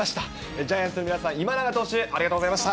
ジャイアンツの皆さん、今永投手、ありがとうございました。